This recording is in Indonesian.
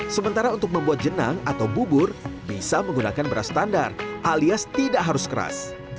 sementara untuk membuat jenang atau bubur bisa menggunakan beras standar alias tidak harus keras